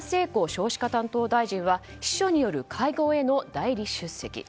少子化担当大臣は秘書による会合への代理出席。